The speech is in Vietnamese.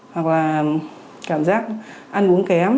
hoặc là cảm giác ăn uống kém